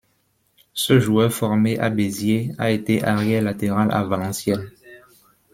Ce joueur formé à Béziers a été arrière latéral à Valenciennes.